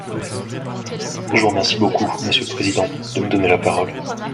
Je vous remercie beaucoup, monsieur le président, de me donner la parole.